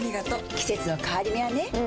季節の変わり目はねうん。